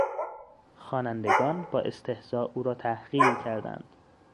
خوانندگان با استهزا او را تحقیر کردند.